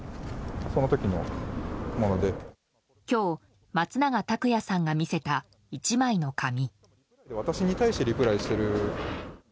今日、松永拓也さんが見せた１枚の紙。